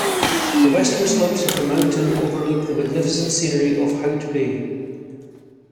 The western slopes of the mountain overlook the magnificent scenery of Hout Bay.